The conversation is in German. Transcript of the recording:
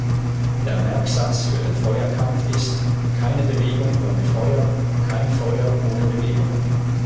Der Merksatz für den Feuerkampf ist „keine Bewegung ohne Feuer, kein Feuer ohne Bewegung“.